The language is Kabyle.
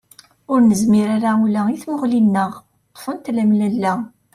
Ur nezmir ara ula i tmuɣli-nneɣ, ṭṭfent temlella.